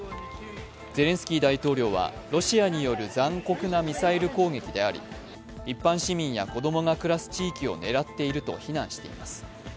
ゼレンスキー大統領はロシアによる残酷なミサイル攻撃であり一般市民や子供が暮らす地域を狙っていると非難しています。